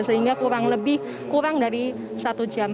sehingga kurang lebih kurang dari satu jam